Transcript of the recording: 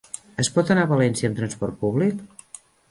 Es pot anar a València amb transport públic?